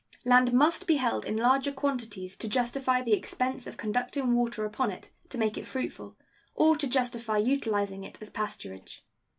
Land must be held in larger quantities to justify the expense of conducting water upon it to make it fruitful, or to justify utilizing it as pasturage.